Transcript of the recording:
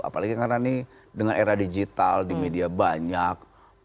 apalagi karena ini dengan era digital di media banyak